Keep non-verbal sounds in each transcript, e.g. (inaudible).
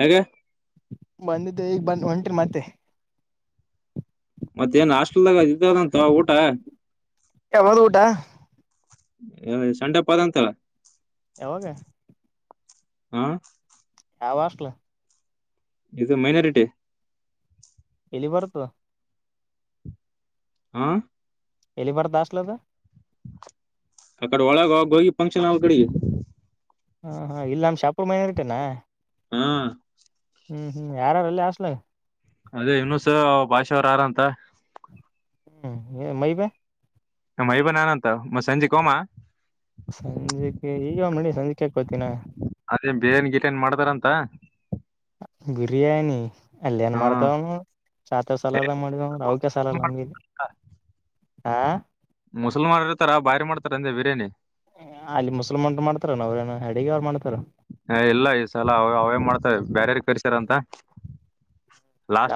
ಹಗೆ ಮತ್ತೆ ಈಗ ಬಂದ ಒಂಟ್ರರಿ ಮತ್ತೆ ಮತ್ತೇಏನ್ ಹಾಸ್ಟೆಲ್ದಾಗ ಇದ್ದಾವದಂತ ಊಟ ಯಾವಾಗ ಊಟ ಸಂಡಪ್ಪದ ಅಂತಲ್ಲ ಯಾವಾಗ ಹ ಯಾವ್ ಹಾಸ್ಟೆಲ್ (unintelligible) ಇದು ಮೈನಾರಿಟಿ ಎಲ್ಲಿ ಬರ್ತದ ಹೂ ಎಲ್ಲಿ ಬರ್ತಾದ ಹಾಸ್ಟೆಲ್ ಅದು ಆ ಕಡೆ ಒಳಗ ಹ ಗೋಗಿ ಫಂಕ್ಷನ ಹಾಲ್ ಕಡೆಗೆ ಹಾ ಹಾ ಇಲ್ಲ ನಮ್ ಶಾಪೂರ್ ಮೈನಾರಿಟಿ ನಾ ಹಾ ಹ್ಮ್ ಹ್ಮ್ ಯಾರಾರ ಅಲ್ಲಿ ಹಾಸ್ಟೆಲ್ಗ ಅದೇ ಇನುಸ ಅವ ಭಾಷೆ ಅವರ ಆರಂತ ಹ್ಮ್ ಮೈಬೆ ಮೈಬೆನು ಅನಾನ ಅಂತ ಮ ಸಂಜೆ ಕೋಮ ಸಂಜೆಕ್ಕೆ ಈಗ ಮಣಿ ಸಂಜೆ ಕ್ಯಾಾಕ್ೋತೀಿನ (unintelligible) ಅದೇ ಬಿರಿಯಾನಿ ಗಿರಿಯಾನಿ ಮಾಡ್ತಾರಂತ ಬಿರಿಯಾನಿ ಅಲ್ಲ ಏನ್ ಹಾ ಮಾಡ್ತಾವನು ಸಾತ ಸಾಲಾರದ ಮಾಡಿದವ ಅವಕ ಸಾಲಾರ ನಮ್ಗ ಆ ಮಾಡಿರ್ತಾರ ಬಾಯರ್ ಮಾಡ್ತಾರೆ ಹ ಅಲ್ಲಿ ಮುಸ್ಲ್ಮನ್ರು ಮಾಡ್ತಾರ ಅವ್್ರೇನ ಅಡಗ ಅವ್ ಮಾಡ್ತಾರ (unintelligible) ಹ ಇಲ್ಲ ಈ ಸಲ ಅವ ಅವೇ ಮಾಡ್ತವೆ ಬೇರಾರ ಕರ್ತಾರಂತ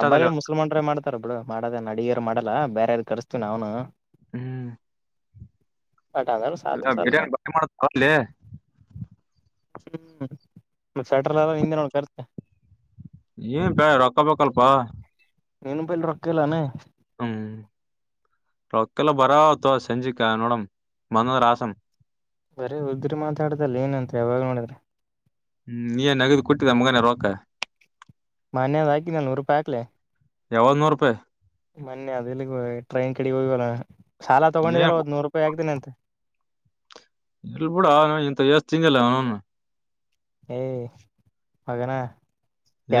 ಅಂಬಾರಿ ಮುಸಲ್ಮಾರೇ ಮಾಡ್ತಾರಬ್ಬಳು ಮಾಡದ ನಡಗರು ಮಾಡಲ್ಲ ಬೇ ಯಾರ ಕರ್ಸ್ತೀ ನಾವನು ಹ್ಮ್ ಬಟ್ ಅದ್ರ ಸಾತ್ ಇಲ್ಲ ಸಾಲ ಮ ಬ ಮಾಡ (unintelligible) ಹ್ಮ್ ಮತ್ತ ಸೆಟ್ರಲ್ಲ ಹಿಂದೆ ನೋಡ್ ಖರ್ಚು ಏನ್ ಬ ರೊಕ್ಕಬೇಕಲ್ಪ ನಿನ್ನ ಬಲ್ಲಿ ರೊಕ್ಕಲ್ಲಾನ ಹ್ಮ್ ರೊಕ್ಕಲ್ಲ ಬರವಾ ಆವಾ ಸಂಜಿಕನ್ನೋಡ ಮನ ರಸಂ ಬರೇ ಉದಗ್ರಿ ಮಾತಾಡದಲ್ಲ ಏನಂತ ಯಾವಾಗ ಮಾಡೋಡಿದ್ರ (unintelligible) ಹ್ಮ್ ನೀನ್ ನಗದಿ ಕೋಟ್ಟೆದ ಮಗಾನ ರೋಕ ಮನ್ಯದ ಹಾಕಿದ್ದ ನೂರು ರೂಪಾಯಿ ಹಾಕ್ಲೆ ಯಾವಾಗ್ ನೂರು ರೂಪಾಯಿ ಮೊನ್ನೆ ಅದೆಲ್ಲಿ ಟ್ರೈನ್ ಕಡೆ ಹೋಗ ಸಾಲ ಏನ್ ತಗೊಂಡಿದಲ್ಲ ಒದ್ ನೂರು ರೂಪಾಯಿ ಆಗ್ತೀನಿ ಅಂತೆ ಎಲ್ ಬಿೂಡ ಇಂತ ಎಷ್ಟತಿಂಗಲ್ಲ ಅವನು (unintelligible) ಏಯ ಮಗನಾ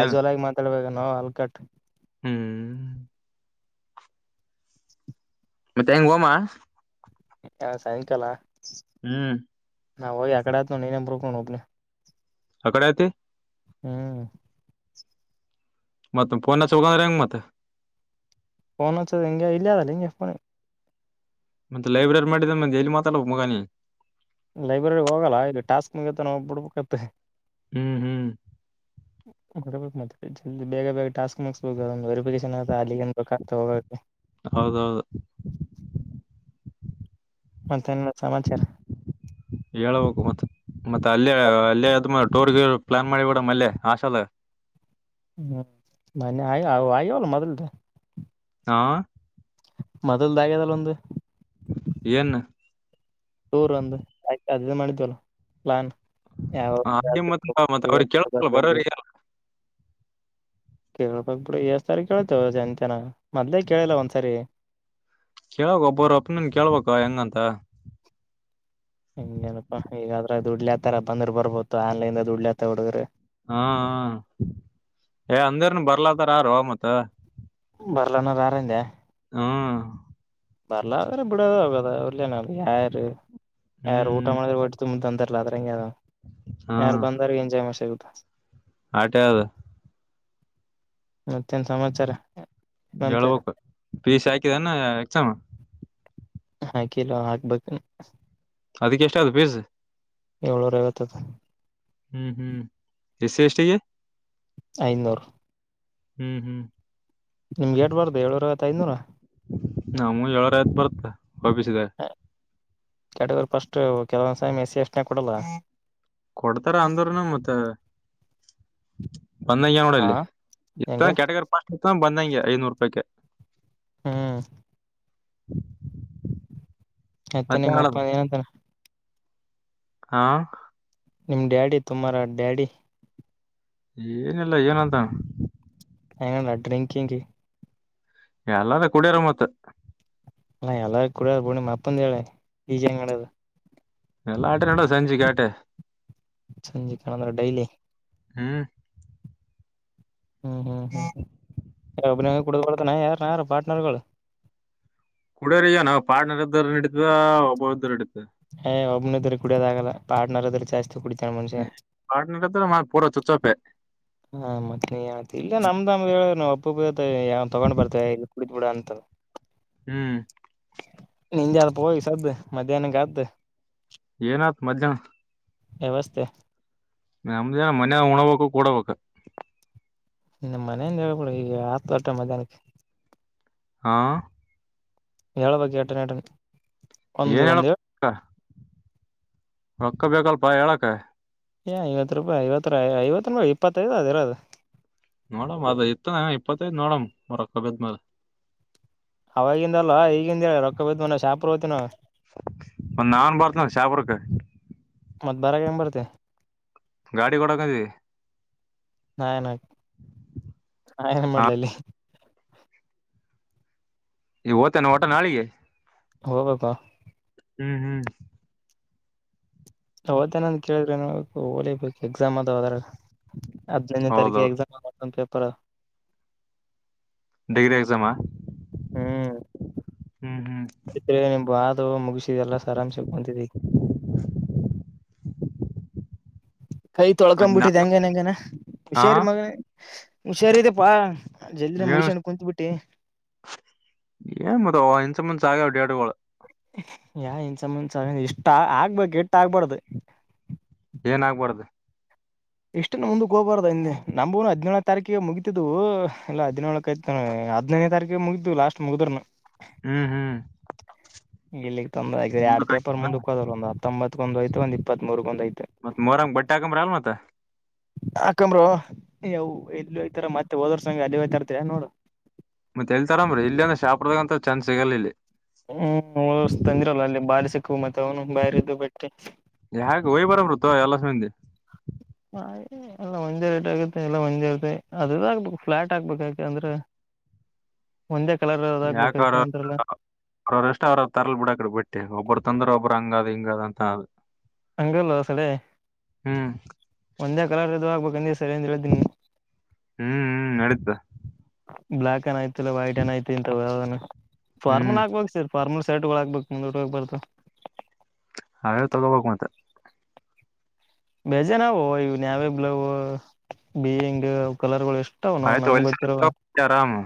ಏನ್ ಆಗಿ ಮಾತಾಡ್ಬೇಕ ನೋ ಅಲ್ಕಟ್ ಹ್ಮ್ ಮತ್ತೆ ಹೆಂಗ್ ಹೋಮಾ ಹಾ ಸಾಯಂಕಾಲ ಹ್ಮ್ ನಾವು ಆಕಡೆ ನ ನೀೂಕ ಬನೆ (unintelligible) ಅ ಕಡೆ ಆತಿ ಹ್ಮ್ ಮತ್ತ ಪೋನ ಅಚ್ಚು ಬೇಕಂದ್ರ ಎಂಗ ಫೋನ್ ಹಚ್ಚದ ಹಿಂಗೆ ಇಲ್ಲ ಅದಲ್ಲ ಹಿಂಗೆಫೋನ್ ಮತ್ತತ್ ಲೈಬ್ರರಿ ಮಾಡಿದ ಮ ಎಲ್ಲಿ ಮಾತಾಡ ಮಗನಿ ಲೈಬ್ರರಿ ಹೋಗಲ್ಲ ಇಲ್ಲಿ ಟಾಸ್ಕ್ ಮುಗತ್ತ ನಾವು ಬಿಡ್ಬೇಕತ್ತ ಹ್ಮ್ ಹ್ಮ್ ಬರ್ಬೇಕು ಮತ್ತೆ ಜಿ ಬೇಗ ಬೇಗ ಟಾಸ್ಕ್ ಮುಗಸ್ಬೇಕುಂದು ವೆರಿಫಿಕೇಶನ್ ಆ ಅಲ್ಲಿಗೆನ್ ಬೇಕತ ಹೋಗ ಹೌದೌದು ಮತ್ತೇನ್ಮ (inaudible) ಹೇಳ್ಬೇಕು ಮತ್ತ ಮತ್ತೆ ಅಲ್ಲೇ ಅಲ್ಲಿೇ ಆದ ಮ ಟೋರ್ಗೆ ಪ್ಲಾನ್ ಮಾಡಿಬೋಡ ಮಲ್ಲೆ ಆಸ ಅಲ್ ಹ್ಮ್ ಮನ್ನ ಆಯ ಆಯ್ಯವಲ್ಲ ಮೊದ್ಲ್ದೆ ಹಾ ಮೊದಲುದಾಗದಲ್ಲ ಒಂದು ಏನ್ ಟೂರ್ ಒಂದು ಆಯ್ತು ಅದ ಮಾಡಿದವಲ್ಲ ಪ್ಲಾನ್ ಯಾವಾಗ ಅಲ್ಲಿ ಮತ್ ಮತ್ ಅವ್ರಿಗೆ (unintelligible) ಕೇಳಲ್ಲ ಬರ್ಬ ಬರೋರಿಗೆ ಕೇಳ್ಬಕ್ ಬಿಿಡು ಎಷ್ಟ ಸಾರಿ ಕೇೇಳತೇವ ಜಂತನ ಮೊದ್ಲೇ ಕೇಳಿಲ್ಲ ಒಂದ್ಸರಿ ಕೇಳಳ್ಬೇಕ ಒಬ್ಬರ ಅಪ್ಪನನ್ ಕೇಳ್ಬೇಕ ಹೆಂಗಂತ ಹಂಗಗೆನಪ್ಪಾ ಈಗಾದ್ರ ದುಡ್ಲಿ ಆತರ ಬಂದ್ರರ್ ಬರ್ಬಹು ಆನ್ಲೈನ್ ಡ್ಲಿ ಆತ ಹುಡುಗ್ರಿ ಹಾ ಏ ಅಂದರ್ನು ಬರ್ಲದಾರಾರೋ ಮತ್ತ ಬರಲನ ಯಾರಂದ ಹಾ ಬರ್ಲ್ರ ಬಿಡದ ಆಗದ ಅವರ್ಲನ ಯಾರು ಯಾರು ಊಟ ಹ್ಮ್ ಮಾಡಿದ ಒಟ್ಟ ತುಂಬಂತ ಇಲಾದ್ರ ಹಂಗೆಾರ ಯಾರು ಬಂದಾರ ಎಂಜಾಯ್ ಮಸ್ ಆಗುತ್ತ ಆಟ ಯಾವ್ದು (inaudible) ಮತ್ತೇನ್ ಸಮಾಚಾರ ನಂತೆ ಹೇಳ್ಬೇಕು ಪೀಸ್ ಹಾಕಿದಾನ ಯಕ್ಷಮ ಹಾ ಕಿಲ ಹಾಕ್ಬೇಕ ಅದಕ್ಕೆ ಎಷ್ಟ ಆತ್ ಫೀಸ್ ಏಳುವರೆ ಆಗತ್ತತೆ ಹ್ಮ್ ಹ್ಮ್ ಎಸ್ಸಿ ಎಸ್ಟಿಗೆ ಐನೂರು ಹ್ಮ್ ಹ್ಮ್ ನಿಮ್ಗೆೇಟ್ಬಾರ್ದ ಹೇಳು ನಮ್ಮ ಏಳರ ಆಯ್ತು ಬರ್ತ್ತ ಒಬಿಸಿದೆ ಕೆ್ಯಾಟಗೋರಿ ಫಸ್ಟ್ು ಕೆಲವೊಂದ್ ಸಮ ಎಸ್ ಎಸ್ ನಾಗ್ ಕೊಡಲ್ಲ ಕೊಡ್ತಾರ ಅಂದ್ರನು ಮತ್ತ ಬಂದಂಗೆ ಹಾ ನೋಡಲ್ಲಿ ಹೆಂಗ ಇತ್ತ ಕೆಟಗರ್ ಪಾಸ್ಟ್ ಇತ್ತ ಬಂದಂಗೆ ಐನೂರು ರೂಪಾಯ್ಕ ಹ್ಮ್ (inaudible) ಮತ್ತೆ ನಿಮ್ಮ ಅಪ್ಪ ಏನಂತಾನ ಹಾ ನಿಮ್ ಡ್ಯಾಡಿ ತುಮಾರ ಡ್ಯಾಡಿ ಏನಿಲ್ಲ ಏನಂತನ್ ಐಯಾಮ್ ಡ್ರಿಂಕಿಂಗ್ ಎಲ್ಲಾರ ಕುಡಿಯಾರ ಮತ್ತ ಹಾ ಎಲ್ಲಾರು ಕುಡ ಬೂಣ ಅಪ್ಪಂದ ಹೇಳಿ ಈಜ ಅಂಗಡದು ಎಲ್ಲಾಟ ನಡ ಸಂಜು ಕೇಟ್ಟ ಸಂಜ ಕಣಂದ್ರ ಡೈಲಿ ಹ್ಮ ಹ್ಮ್ ಹ್ಮ್ ಹ್ಮ್ ಅಭಿನೋಗ ಕುಡಬಡ್ತಾನ ಯಾರುನ ಯಾರು ಪಾರ್ಟ್ನರ್ಗಳು ಕುಡಿಯರ್ಗ ನಾವು ಪಾರ್ಡ್ನರ್ ಇದ್ದರು ನಡತದ ಒಬ್ಬ ಇದದ್ದರು ನಡಿತ ಒಬ್ಬನ ಇದ್ರ ಕುಡಿಯೋದಾಗಲ್ಲ ಪಾರ್ಟನರ್್ರ ಚಾಸ್ತಿ ಕುಡಿ ಪಾರ್ಟ್ನರ್ ಇದ್ರೆ ಮಾತ್ರ ಪೂರ ಚೊಚ್ಚಾಪೆ ಹಾ ಮತ್ತೆನ್ ಆ್ತ ಇಲ್ಲ ನಮ್ದ ನಮ್ದ ಹೇಳ ಒಬ ಯಾವ ತಗೊಂಡ್ ಬರ್ತೇವೆ ಕುಡ ಬಿಡ ಅಂತ ಹ್ಮ್ ನಂಜ ಅನ ಪೋಗಿ ಸ್ದ ಮಧ್ಯಾಹ್ನ ಕತ್ತು ಏನತ್ ಮಧ್ಯಾಹ್ನ ನಮಸ್ತೆ ನ ನಮ್ದೇನ ಮನ್ಯ ಉಣಬ ಕೂಡಬೇಕ ನಿಮ್ಮ್ ಮನೆಯಿಂದಾಗ ಕೂಡ ಈಗ ಹತ್ತು ವಟ ಮಧ್ಯಾಹ್ನಕ್ಕೆ ಹಾ ಎಳ ಬಕಿ ಎಟನ ಟನ್ ಏನ್ ಹೇಳ ರೊಕ್ಕ ಬಲ್ಪ ಹೇಳಕ ಏ ಐವತ್ತು ರೂಪಾಯಿ ಐವತ್ತು ಐವತ್ತು ರೂ ಇಪ್ಪತ್ತೈದು ಅದ ಇರದು ನೋಡ ಅದ ಇತ್ತ ಇಪ್ಪತ್ತ ನೋಡ ಮುರಕಬ್ಮಲೆ ಅವವಾಗಿಂದಲ್ವಾ ಈಗಿಂದ ಹೇಳ ರೊಕ್ಕ ಬದ್ ಮ ಶಾಪ ಒಂದ ನಾನ್ ಬರ್ತೇನೆ ಶಾಪುರಕ್ಕೆ ಮತ್್ ಬಾರಕ್ಕೆ ಹೆಂಗ ಬರ್ತೆ ಗಾಡಿ ಕೂಡಕಿ ನಾನ ನಾಏನ ಹಾ ಮಾಡಲಲ್ಲಿ ಈ ಓತೇನೆ ಓಟ ನಾಳಿಗೆ ಹೋಗ್ಬೇಕಪ್ಪಾ ಹ್ಮ್ ಹ್ಮ್ ಅವತ್ತೇನ್ ಕೇಳಿದ್ರೆ ಹಓಲಿಬೇಕು ಎಕ್ಸಾಮ್ ಅದದ್ರ ಅದಿನನ ತಾರಖೆ ಹೌದೌದು ಎಕ್ಸಾಮ್ ಆತ ಪೇಪರ್ ಡಿಗ್ರಿ ಎಕ್ಜಾಮಾ ಆಯ್ತರೇನಿಮ್ ಬ ಆದ ಮುಗಸಿದೆ ಎಲ್ಲ ಸರಾಮ್ಸಕೊಂತಿದಿ ಕೈ ತೊಳ್ಕೊ ಮತ್ ಬಿಟ್ಟಿದೆ ನಾಳೆ ಹೆಂಗನ್ ಹೆಂಗನ ಹಾ ಹುಷಾರಿ ಮಗನ ಹುಷಾರದೆಪ್ಪಾ ಏನ್ ಏನ್ ಮತ್ತ ಇಂಸ ಮುಂದ ಆಗ ಡ್ಯಾಡುಳ ಯಾ ಇನ್ಸ ಮುನ್ಸ ಇಷ್ಟ ಆಗ್ಬೇಕು ಎಟ್ಟ ಆಗ್ಬಾರ್ದು ಏನ ಆಾಗಬಾರ್ದು ಇಷ್ಟ ಮುಂದ ಹೋಗಬಾರ್ದ ನಂಬ್ನು ಹದಿನೇಳ ತಾರೀಕಿಗೆ ಮುಗಿತಿದ್ವು ಇಹದ್ನೇಳಕ ಆಯತ ಹದಿನನೇ ತಾರೀಕಿಗೆ ಮುಗಿದ್ದು ಲಾಸ್ಟ್ ಮುಗಿದ್ರನು ಹ್ಮ್ ಹ್ಮ್ ಇಲ್ಲಿಕ್ ತಂದಯ ಎರಡ್ ಮುಂದಕ್ ಪೇಪ ಹಾಕಿನ ಮುಂದ ಹೋದ ಒಂದ ಹತ್ತೊಂಬತ್ರರೋ ಯ್ಒಂದ ಇಪ್ಪತ್ರು ಗೊಂದ ಐ ಮತ್ತ ಮರಂಗ ಬಟ್ಟಾ ಕಮರಲ್ಲ ನತ್ತ ಆಕಂಬ್ರ ಇಲ್ಲಿ ಹಯ್ತಾರ ಮತ್ತೆ ಹೋದೋರ್ ಸಂಗ ಅಲ್ಲಿ ಹಯ್ತರ್ತ ನೋಡು ಮತ್ತತ್ ಹೇತಾರ ಅರಿ ಇಲ್ಲಿಂದ್ರ ಶಾಪದಾಗ ಅಂತ ಚಾನ್ ಸಿಗಲ್ ಇಲ್ಲಿ ಹ್ಮ್ ನ ತಂದಿರಲ್ಲ ಅಲ್ಲಿ ಬಾಲಿಸಕ್ಕು ಮತ್ತೆ ತೌನು ಬರೆದು ಬಿಟ್ಟೆ ಯಾಕ ಹೋಯ್ ಬರಬ್ರತ ಎಲ್ಲ ಮಂದಿ ಎಲ್ಲ ಒಂದೇ ರೇಟ್ ಆಗತ್ತೆ ಎಲ್ಲ ಒಂದೆ ಇಗ ಅದುದುಾಗಕ್ಬೇಕು ಫ್ಲಾಟ್ ಆಾಕ್ಬೇಕು ಯಾಕೆ ಅಂದ್ರೆ ಒಂದೇ ಕಲರ್ ಅದ ಹಾಕ್ಬೇಕು ಯಾಕ ಅವ್ರ ಅದಕ್ಕೇನಂತಾರಲ್ಲ ಅವ್ರ್ರಷ್ಟ ಅವ್ರ ತರಲ್ ಬಿಡಕಡ ಬಿಟ್ಟೆ ಒಬ್ಬರು ತಂದ್ರ ಒಬ್ಬ್ರ ಹಂಗಾದ ಹಂಗ ಅದಂತದು ಹಂಗಲ್ಲ ಸಳ ಹ್ಮ್ ಒಂದೇ ಕಲರದ ಆಗ್ಬೇಕಂದೆ ಸರಿಯಂದ್ದಿನ ಹ್ಮ್ ಹ್ಮ್ ನಡಿದ್ದ ಬ್ಲಾ ಏನ ಯಐತಿಲ್ಲ ವೈಟ್ ಏನ ಯ್ತಿ ಇಂತ ಹ್ಮ್ ಫಾರ್ಮಲ್ ಹಾಕ್ಬಬೇಕು ಸರ್ ಫಾರ್ಮಲ್ ಸರ್ಟ್ಗಳ ಹಗ್ಬೇಕು ಮುಂದ ಟ್ಟ ಹೋಗ್ ಬಾರತು ಹ ಯಾವ ತಗೋಬಕ್ರರು ಮತ್ತ ಬೇಜ ನಾವು ಇ ನಾವೇ ಬ್ಲವ ಬಯಿಂಗ್ ಕಲರ್ ಗಳು ಎಷ್ಟು ತ ಆಯ್ತು ನಮ್ಗ್ ಗೊತ್ತಿರುವ ಹೊಲ್ಸ ಆರಾಮ್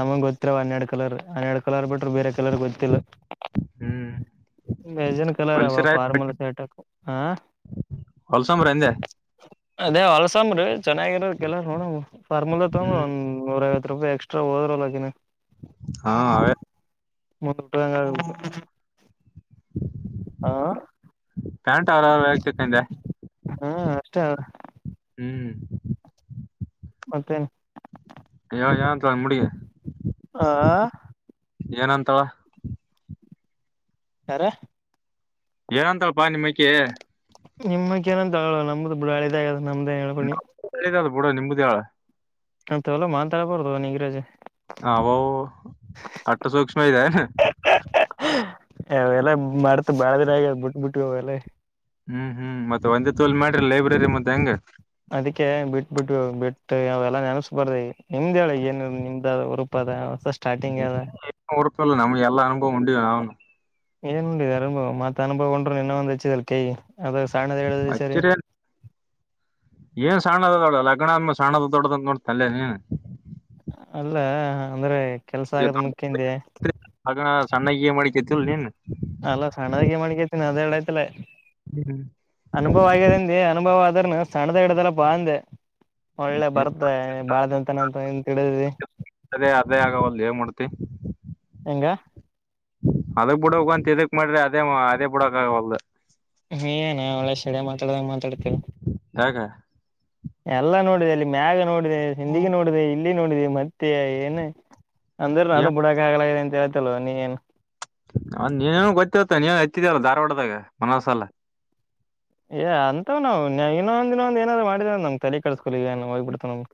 ನಮಗ್ ಗೊ ಇ ಹನ್ನೆರಡ್ ಕಲರ್ ಹನ್ನೆರಡು ಕಲರ್ ಬಿ್ರರು ಬೇರೆ ಕಲರ್ ಗೊತ್ತಿಲ್ಲ ಹ್ಮ್ ಮಜನ್ ಕಲರ್ ಅವಾ ಹೊಲ್ಸರ ಆಯ್ತು ಫಾರ್ಮಲ್ ಶರ್ಟ್ಕ್ಕ ಹಾ ಹೊಲ್ಸಂಬ್ರಂದೆ ಅದೇ ಹೊಲ್ಸಂಬ್ರಿ ಚೆನ್ನಾಗಿರೋ ಕೆಲ್ಲ ನೋಡ ಫ್ಮುಲ ತಗಂಬ್ರ ಹ್ಮ್ ಒಂದ ನೂರವತ್ತು ರೂಪಾಯಿ ಎಕ್ಸ್್ರಾ ಹೋದರುಲ್ಲಗಿನ ಹಾ ಹ ಮುಂದೂಟ ಬಂಗ ಹಾ ಪ್ಯಾಂಟ್ ಆರ ಆಗ್ತಕ್ಕಂದೆ ಹಾ ಅಷ್ಟೇ ಹ್ಮ್ ಮತ್ತೇನೆ ಯ ಯಾ ತಂದ ಮುಡಿ ಆ ಏನಂತಾವ ಯಾರ ಏನಂತಳಪಾ ನಿಮಕ ನಿಮಗ್ ಏನಂತಗ ನಮ್ದು ಬಿಡಾಳೆದ ಆಗ ನಮ್ದೇಏನ್ ಹೇಕಿ ಕೂಡ ನಿಮಮ್ಮದ ಯಾಳ ಅಂತ ಎಲ್ಲ ಮಾತಾಡಬಾರದು ಅವ ನೀಂಗರಾಜೆ ೋ ಅಟ್ಟ ಸೂಕ್ಷ್ಮ ಇದನೆ ಅವೆಲ್ಲ ಮರ್ತ ಬಾಳ್ದರ ಆಗ ಬಿಟ್ಬಿಟ್ಟ ಅವೆಲ್ಲ ಹ್ಮ್ ಹ್ಮ್ ಮತ್ತೆ ಒಂದೇ ತೋಲ್ ಮಾಡ್ರಿ ಲೈಬ್ರರಿ ಮತ್ತೆ ಹೆಂಗ ಅದಕ್ಕೆ ಬಿಟ್ಟ ಬಿಟ್ಟ ಬಿಟ್ಟು ಅವದೆಲ್ಲಾ ನೆನಸ್ಬಾರ್ದ ನಿಮ್ದ ಹೇಳ ಏನ ನಿಮ್ದ ಅ ಉರುಪ ಅದ ಹೊಸ ಸ್ಟಾರ್ಟಿಂಗ್ ಅದ ಉಪ್ಪ ಇಲ್ಲ ನಮ್ಗೆ ಎಲ್ಲಾ ಅನುಭವ ಉಂಡಿಯ ಆಗಣ ಏನು ನಡ ಅನುಭವ ಮತ್ತ ಅನುಭವ ಉೊಂಡ ನಿನ್ನೆಂದಚ ಇದಳ ಕೈ ಅದ ಸ್ಣದ ಹೇಳ ಸರಿ ಅಚ್ಚರಿ ಏನ್ ಸಣ್ಣದ ದೊಡ್ಡ ಲಗ್ನ ಸಣ್ಣದ ದೊಡ್ದಂತ ನೋಡ್ತಲ್ಲೇ ನೀನ್ ಅಲ್ಲ ಅಂದ್ರೆ ಕೆಲ್ಸ ಆಗದ ಮುಖ್ಯಿಂದ ಅಣ ಸಣ್ಣಾಗಿ ಮಾಡಿಿಕತಿಲ್ ನೀನ್ ಅಲ್ಲ ಸಣ್ಣದಾಗಿ ಮಣಗೇತನಿ ಅದರಡ ಆೈ್ತಲ ಏನ್ ಅನುಭವ ಆಗಿದೆಂದಿ ಅನುಭವ ಆದ್ರನು ಸಣ್ಣದ ಹಿಡ್ದಲ್ಲಪ್ಪಾ ಅಂದೆ ಒಳ್ಳೆ ಬರ್ತ ಬಾಳ್ದಂತನ ಅಂತ ಏನ್ ತಿಳಿದ್ಿ ಅದೇ ಅದೇ ಆಗವಲ್ ಏ ಮಾಡಡ್ತಿ ಹೆಂಗ ಅದಕ್ ಬಿಡಕಂತ ಇದಕ್ ಮಾಡ್ರಿ ಅದೇ ಅದೇ ಬಿಡಕವಲ್ದ ನೀಏನ ಅವಳೆ ಶಡ ಮಾತಾಡ ಮಾತಾಡ್ತೀವೆ ಯಾಕ ಎಲ್ಲಾ ನೋಡಿದೆ ಅಲ್ಲಿ ಮ್ಯಾಗ ನೋಡಿದೆ ಹಿಂದಗ ನೋಡಿದೆ ಇಲ್ಲಿ ನೋಡಿದೆ ಮತ್ತೆ ಏನು ಅಂದ್ರೆ ನಾನು ಏನ್ ಬಿಡಕ್ ಆಗ್ಲದೆ ಅಂತ ಹೇಳ್ತಲ್ವ ನೀಏನ್ ಹ ನೀನ್ೇನ ಗೊತ್ತಿರತ್ತ ನೀವ ಎತ್ತಿದಲ್ಲ ಧಾರವಾಡದಾಗ ಮನಸಲ್ಲ ಏ ಅಂತ ನಾವು ಇನ್ನೊಂದ ದ ಇೊಂದ್ ಏನಾದ್ ಮಾಡಿದವ ನಮ್ ತಲೆ ಕಡಸ್ಕಿ ಏ ಹೋಗ್ಬಿಡ್ತವ ನಮ್ಗೆ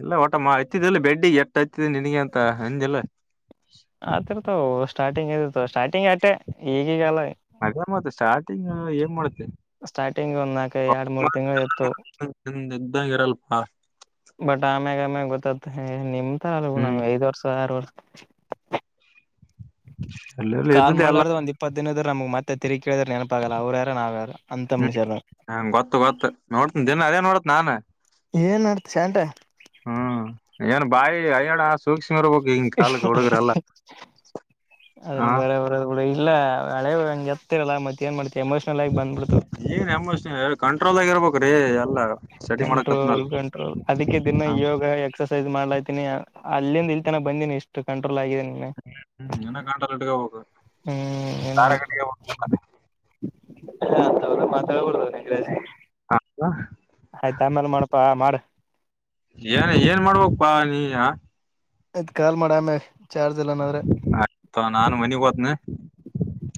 ಇಲ್ಲಾ ಊಟ ಮಾ ಇಐತ್ತಿದ್ದಲ್ಲಿ ಬೆಡ್ಡಿ ಎಟ್ಟ ಇತಿದ ನಿನಗೆ ಅಂತ ಅಂದಿಲ್ಲ ಆತ್ರ್ತವ ಸ್ಟಾರ್ಟಿಂಗ್ ಇದತ ಸ್ಟಾರ್ಟಿಂಗ್ ಅಷ್ಟೆ ಈಗೀಗಲ್ಲ ಆಗಾಮತ್ ಸ್ಟಾರ್ಟಿಂಗ್ ಏನ್ ಮಾಡುತ್ತೆ ಸ್ಟಾರ್ಟಿಂಗ್ ಒಂದಕ ಆಡು ಮೂರು ತಿಂ ಎತ್ತುು ಇದ್ದಂಗ ಇರಲ್ಪ ಬಟ್ ಆಮ್ಯಾಗ ಆಮ್ಯಾಗ ಗೊತ್ತತ್ ನಿಮ್ ಅಲ್ ನಾ್ ಹ್ಮ್ ದ ವರ್ ಆರು ವರ್ಷ ಎಲ್ಲ ಕಾಲ್ ಇದ್ದದ್ದೆ ಎಲ್ಲ ಮಾಡಾರ್ದ ಒಂದ್ ಇಪ್ಪತ್ ದಿನದ ನಮ್ಗ್ ಮತ್ತೆ ತಿಗಿ ಕೇಳಿದ್ರ ನೆನಪಾಗಲ್ಲ ಅವ್ರು ಯಾರ ನಾವ್ಯಾರು ಹ್ಮ್ ಹ ಗೊತ್ತು ಗೊತ್ತತ್ ನೋಡ್ತನ ದಿನ ಅದೇ ನೋಡತ್ ನಾಾನ ಏನ್ ಮಾಡಡ್ತ ಸಟ ಹ್ಮ್ ಏನ್ ಬಾಯಿ ಅಯ್ಯಡ ಸೂಕ್ಷಕ್ಷಂಗರ್ಬಕ್ ಹಿಂಗ ಕಲ್ಕ್ಕೆ ಹುಡುಗರಲ್ಲ ಅದನ್ನ ಬರ ಬರ ಕಡ ಇಲ್ಲ ಹಳೆಂಗೆ ಎತ್ತಲ್ಲ ಮತ್ತೆ ಏನ್ ಮಾಡ್ತವಿ ಏನ್ ಹೆಮ್ಮಸ್ ಹೇಳ ಕಂಟ್ರೋಲ್ ಆಗ ಇರ್ಬೇಕ್ರೀ ಎಲ್ಲ ಸ್ಟಡಿ ಮಾಡಕತ್ನಲ್ ಕಂಟ್ರೋಲ್ ಕಂಟ್ರೋಲ್ ಅದಕ್ಕೆ ದಿನ ಹ್ಮ್ ಯೋಗ ಎಕ್ಸಸೈಸ್ ಮಾಡ್ಲ ಅಲ್ಲಿಂದ ಇಲ್ತನ ಬಂದಿನಿ ಇಷ್ಟು ಕಂಟ್ರೋಲ್ ಆಗಿದ್ದೇ ಇನ್ನ ಗಂಟಲ್ ಇಟ್ಕೋಬೇಕು ಹ್ಮ್ ದಾರ ಕಟ್ಕೋಬೇಕು ಹಾ ಹೌದು ಮಾತಾಡ್ಕೊಡದ ನಗರಾಜೆ ಆಯ್ತ ಆಮೇಲೆ ಮಾಡಪಾ ಮಾಡ ಏನ್ ಏನ್ ಮಾಡ್ಬೇಕಕ್ಪ್ಪಾ ನೀ ಆಯ್ತ್ ಕಾಲ್ ಮಾಡ ಆಮೇ ಆಯ್ತ ನಾನ ಮನಗ್ ಹೋದನೆ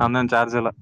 ಅಂದೇನ್ ಚಾರ್ಜ್ ಎಲ್ಲ (inaudible)